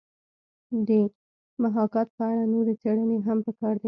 د محاکات په اړه نورې څېړنې هم پکار دي